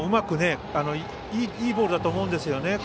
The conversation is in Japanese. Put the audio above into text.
いいボールだと思うんですよね。